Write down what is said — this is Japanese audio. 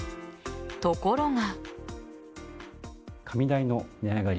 ところが。